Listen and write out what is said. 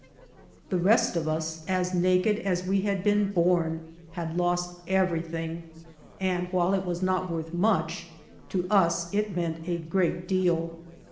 The rest of us, as naked as we had been born, had lost everything, and while it was not worth much, to us it meant a great deai.